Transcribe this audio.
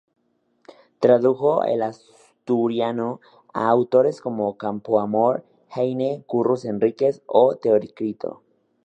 Tradujo al asturiano a autores como Campoamor, Heine, Curros Enríquez o Teócrito.